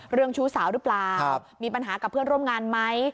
ชู้สาวหรือเปล่ามีปัญหากับเพื่อนร่วมงานไหม